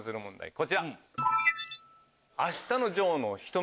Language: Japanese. こちら。